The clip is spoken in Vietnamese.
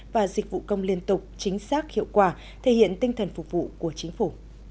và dịch vụ công liên tục chính xác hiệu quả thể hiện tinh thần phục vụ của chính phủ